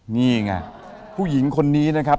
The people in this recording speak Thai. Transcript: นี่ไงผู้หญิงคนนี้นะครับ